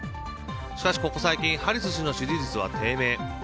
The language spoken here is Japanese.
しかし、ここ最近ハリス氏の支持率は低迷。